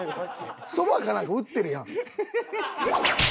そばかなんか打ってるやん。